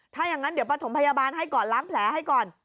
ถ้าอย่างนั้นเดี๋ยวประถมพยาบาลให้ก่อนล้างแผลให้ก่อน